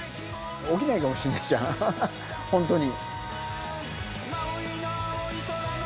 起きないかもしれないじゃん、本当に。